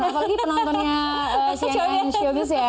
apalagi penontonnya sian dan siovis ya